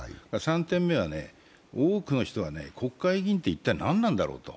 ３点目は、多くの人が国会議員って一体何なんだろうと。